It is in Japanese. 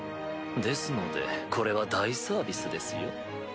ですのでこれは大サービスですよ。